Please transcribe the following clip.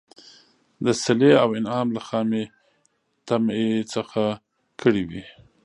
د صلې او انعام له خامي طمعي څخه کړي وي.